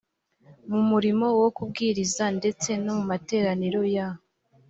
mu murimo wo kubwiriza ndetse no mu materaniro ya